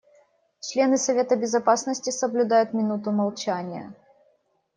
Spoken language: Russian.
Члены Совета Безопасности соблюдают минуту молчания.